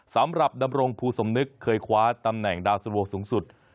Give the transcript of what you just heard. สำหรับดำรงภูสมนึกเคยคว้าตำแหน่งดาวสุโวสูงสุด